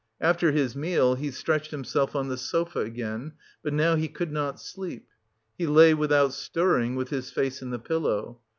After his meal he stretched himself on the sofa again, but now he could not sleep; he lay without stirring, with his face in the pillow.